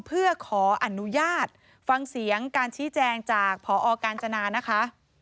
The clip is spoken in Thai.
เพื่อขออนุญาตฟังเสียงการชี้แจงจากพอกาญจนานะคะ